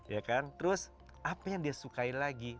ya kan terus apa yang dia sukai lagi